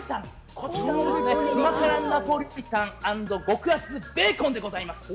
こちらの旨辛ナポリタン＆極厚ベーコンでございます。